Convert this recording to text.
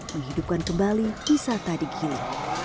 menghidupkan kembali kisah tadi gili